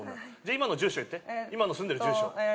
今の住所言って今の住んでる住所え